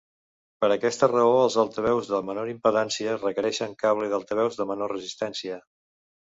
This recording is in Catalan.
Per aquesta raó, els altaveus de menor impedància requereixen cable d'altaveus de menor resistència.